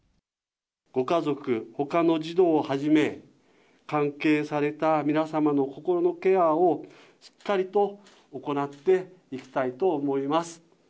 ご家族、ほかの児童をはじめ、関係された皆様の心のケアを、しっかりと行っていきたいと思います。